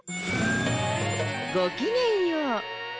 ごきげんよう。